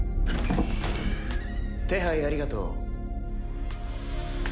手配ありがとう。